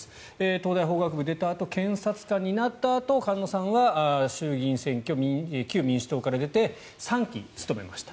東大法学部を出たあと検察官になったあと菅野さんは衆議院選挙旧民主党から出て３期務めました。